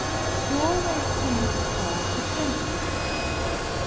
'You always seem to call for tenderness.